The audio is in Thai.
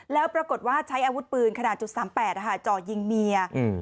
แล้วปรากฏว่าใช้อาวุธปืนขนาด๐๓๘จ่อยิงเมีย